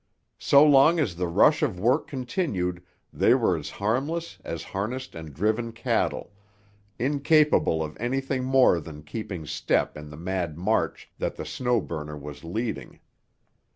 So long as the rush of work continued they were as harmless as harnessed and driven cattle, incapable of anything more than keeping step in the mad march that the Snow Burner was leading.